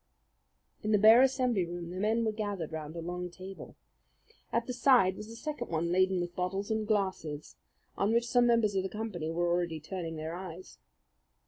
In the bare assembly room the men were gathered round a long table. At the side was a second one laden with bottles and glasses, on which some members of the company were already turning their eyes.